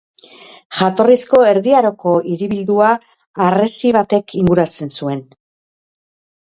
Jatorrizko Erdi Aroko hiribildua harresi batek inguratzen zuen.